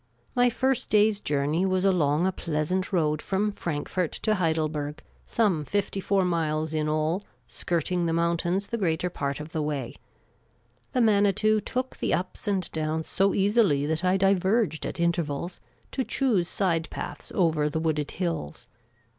My first day's journey was along a pleasant road from Frank fort to Heidelberg, some fifty four miles in all, skirting the mountains the greater part of the way; the Manitou took the ups and downs so easily that I diverged at intervals, to choose side paths over the wooded hills.